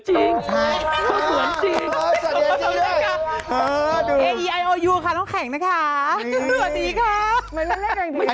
สวัสดีครับ